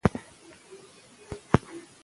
افغانانو دا سند په خپلو وینو سره مات کړ.